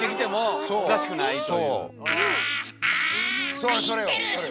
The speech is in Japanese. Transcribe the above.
そうそれよそれ。